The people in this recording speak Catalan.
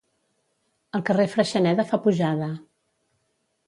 El carrer Freixeneda fa pujada